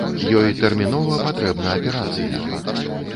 Ёй тэрмінова патрэбна аперацыя!